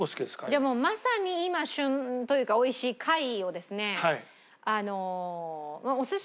じゃあまさに今旬というか美味しい貝をですね。